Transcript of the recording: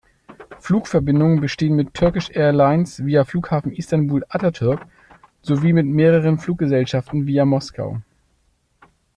Flugverbindungen bestehen mit Turkish Airlines via Flughafen Istanbul-Atatürk sowie mit mehreren Fluggesellschaften via Moskau.